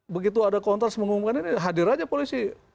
begitu ada kontras mengumumkan ini hadir aja polisi